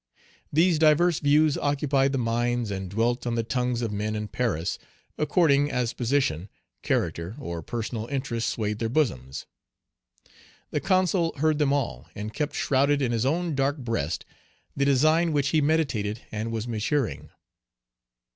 These diverse views occupied the minds and dwelt on the tongues of men in Paris, according as position, character, or personal interests swayed their bosoms. The Consul heard them all, and kept shrouded in his own dark breast the design which he meditated and was maturing.